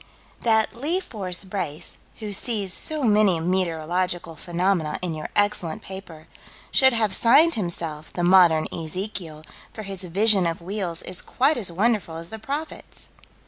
That "Lee Fore Brace," "who sees 'so many meteorological phenomena in your excellent paper,' should have signed himself 'The Modern Ezekiel,' for his vision of wheels is quite as wonderful as the prophet's."